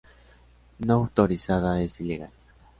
No autorizada es ilegal.